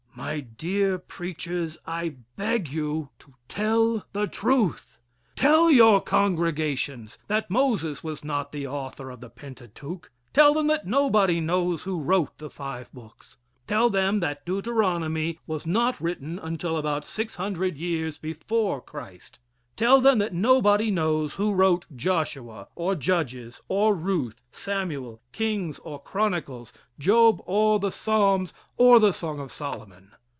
My dear preachers, I beg you to tell the truth. Tell your congregations that Moses was not the author of the Pentateuch. Tell them that nobody knows who wrote the five books. Tell them that Deuteronomy was not written until about six hundred years before Christ. Tell them that nobody knows who wrote Joshua, or Judges, or Ruth, Samuel, Kings, or Chronicles, Job, or the Psalms, or the Song of Solomon.